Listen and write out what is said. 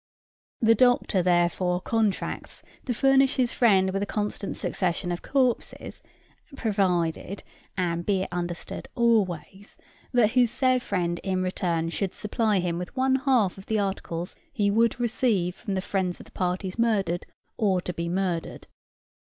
The doctor, therefore, contracts to furnish his friend with a constant succession of corpses, provided, and be it understood always, that his said friend in return should supply him with one half of the articles he would receive from the friends of the parties murdered or to be murdered.